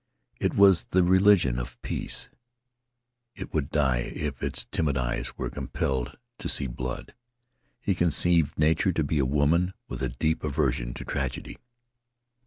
It was the religion of peace. It would die if its timid eyes were compelled to see blood. He conceived Nature to be a woman with a deep aversion to tragedy.